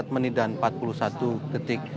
dua puluh empat menit dan empat puluh satu detik